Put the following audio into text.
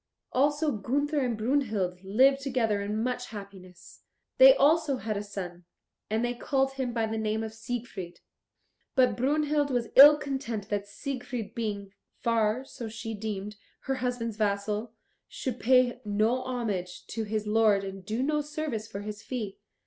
Also Gunther and Brunhild lived together in much happiness. They also had a son, and they called him by the name of Siegfried. But Brunhild was ill content that Siegfried being, far so she deemed, her husband's vassal, should pay no homage to his lord and do no service for his fee.